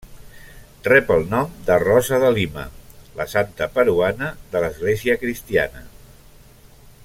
Rep el nom de Rosa de Lima, la santa peruana de l'església cristiana.